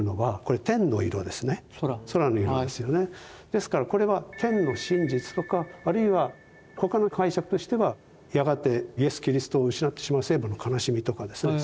ですからこれは天の真実とかあるいは他の解釈としてはやがてイエス・キリストを失ってしまう聖母の悲しみとかですね